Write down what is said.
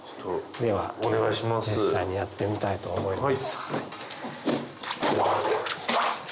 では実際にやってみたいと思います。